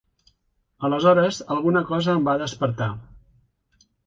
Aleshores alguna cosa em va despertar.